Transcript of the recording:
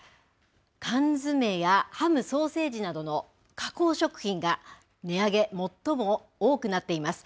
缶詰やハム・ソーセージなどの加工食品が値上げ、最も多くなっています。